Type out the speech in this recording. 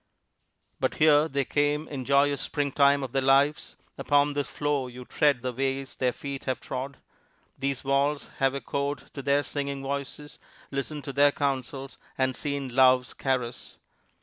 But here they came in the joyous springtime of their lives; upon this floor you tread the ways their feet have trod; these walls have echoed to their singing voices, listened to their counsels, and seen love's caress.